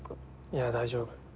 いや大丈夫。